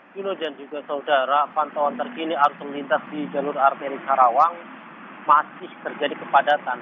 kilo dan juga saudara pantauan terkini arus melintas di jalur arteri karawang masih terjadi kepadatan